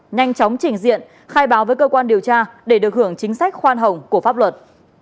nhanh chóng trình diện khai báo với cơ quan điều tra để được hưởng chính sách khoan hồng của pháp luật